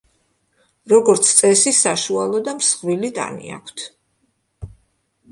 როგორც წესი, საშუალო და მსხვილი ტანი აქვთ.